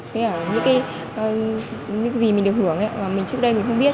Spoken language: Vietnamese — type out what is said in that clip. với những gì mình được hưởng trước đây mình không biết